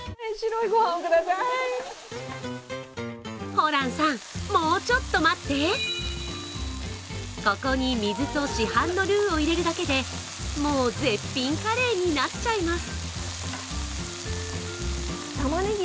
ホランさん、もうちょっと待ってここに、水と市販のルーを入れるだけでもう絶品カレーになっちゃいます。